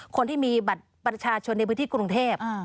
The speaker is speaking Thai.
คนที่มีบัตรประชาชนในพื้นที่กรุงเทพ